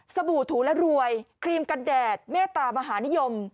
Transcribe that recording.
บู่ถูและรวยครีมกันแดดเมตตามหานิยม